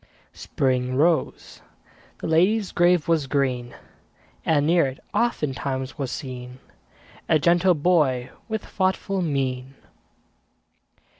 Spring rose; the lady's grave was green; And near it, oftentimes, was seen A gentle boy with thoughtful mien.